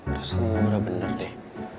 udah selalu ngobrol bener deh